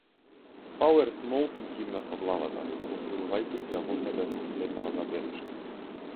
Пауерс молкум кимна со главата, повторувајќи си ја во себе последнава забелешка.